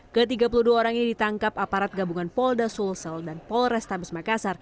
ketiga puluh dua orang ini ditangkap aparat gabungan polda sulsel dan polrestabes makassar